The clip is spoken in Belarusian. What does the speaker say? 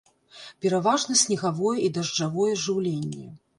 Пераважна снегавое і дажджавое жыўленне.